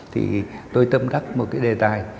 thì tôi tâm thắc một cái đề tài